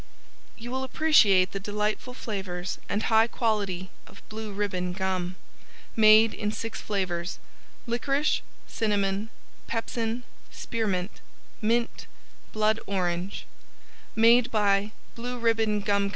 ] You will appreciate the delightful flavors and high quality of Blue Ribbon Gum MADE IN SIX FLAVORS Licorice Cinnamon Pepsin Spearmint Mint Blood Orange Made By BLUE RIBBON GUM CO.